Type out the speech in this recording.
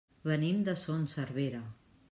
Venim de Son Servera.